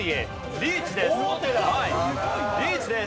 リーチです。